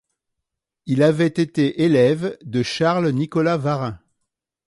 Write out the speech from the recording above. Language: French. Il avait été élève de Charles-Nicolas Varin.